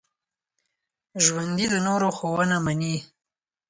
ژوندي د نورو ښوونه مني